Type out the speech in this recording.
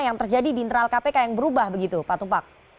yang terjadi di internal kpk yang berubah begitu pak tumpak